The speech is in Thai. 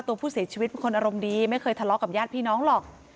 ตัวผู้เสียชีวิตเป็นคนอารมณ์ดีไม่เคยทะเลาะกับญาติพี่น้องหรอก